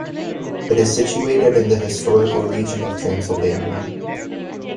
It is situated in the historical region of Transylvania.